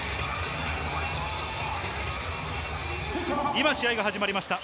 今、試合が始まりました。